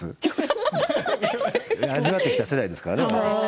味わってきた世代ですからね。